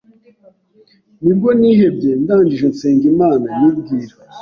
nibwo nihebye ndangije nsenga Imana nyibwira